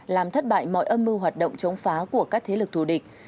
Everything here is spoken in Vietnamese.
làm thất bại mọi âm mưu hoạt động chống phá của các thế lực thù địch